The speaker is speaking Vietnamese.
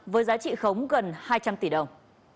với giá trị khống gần hai trăm linh tỷ đồng